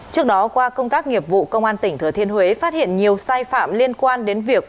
trước đó qua công tác nghiệp vụ công an tỉnh thừa thiên huế phát hiện nhiều sai phạm liên quan đến việc